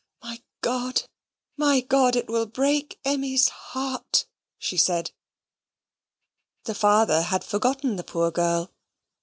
"My God, my God, it will break Emmy's heart," she said. The father had forgotten the poor girl.